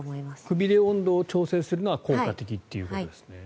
首で温度を調整するのは効果的ということですね。